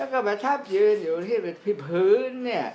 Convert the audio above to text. แล้วก็มันจับถึงพิษฐานนี้